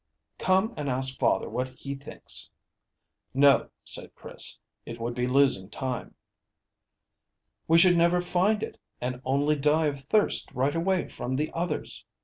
"Come and ask father what he thinks." "No," said Chris; "it would be losing time." "We should never find it, and only die of thirst right away from the others."